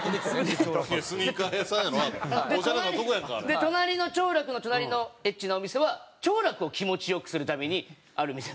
で隣の兆楽の隣のエッチなお店は兆楽を気持ち良くするためにある店なんですよね。